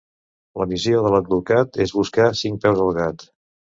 La missió de l'advocat és buscar cinc peus al gat.